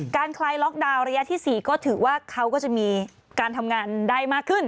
คลายล็อกดาวน์ระยะที่๔ก็ถือว่าเขาก็จะมีการทำงานได้มากขึ้น